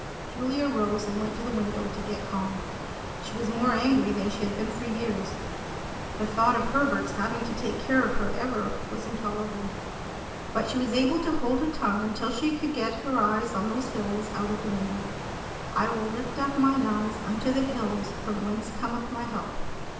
Julia arose and went to the window to get calmed. She was more angry than she had been for years. The thought of Herbert's having to take care of her ever was intolerable. But she was able to hold her tongue until she could get her eyes on those hills out of the window. "I will lift up mine eyes unto the hills, from whence cometh my help."